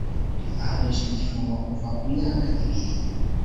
ahanishwa igifungo kuva ku myaka ibiri.